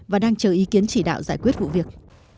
và đang chờ ý kiến chỉ đạo giải quyết vụ việc